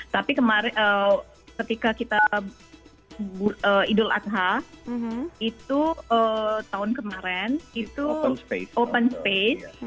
tapi ketika kita idul adha itu tahun kemarin itu open space